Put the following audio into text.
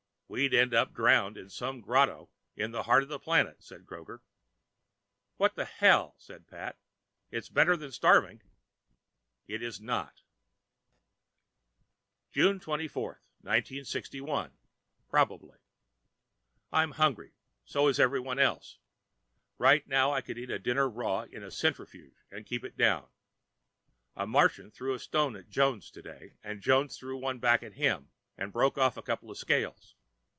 We'd end up drowned in some grotto in the heart of the planet, says Kroger. "What the hell," says Pat, "it's better than starving." It is not. June 24, 1961, probably I'm hungry. So is everybody else. Right now I could eat a dinner raw, in a centrifuge, and keep it down. A Martian threw a stone at Jones today, and Jones threw one back at him and broke off a couple of scales.